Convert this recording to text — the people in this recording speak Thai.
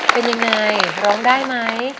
เป็นยังไงร้องได้ไหม